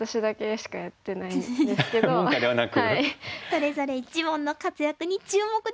それぞれ一門の活躍に注目です。